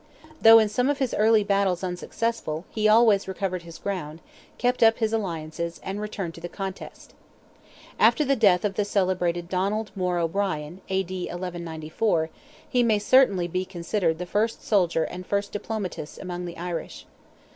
Though in some of his early battles unsuccessful, he always recovered his ground, kept up his alliances, and returned to the contest. After the death of the celebrated Donald More O'Brien (A.D. 1194), he may certainly be considered the first soldier and first diplomatist among the Irish.